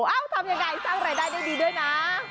เอ้าทำยังไงสร้างรายได้ได้ดีด้วยนะ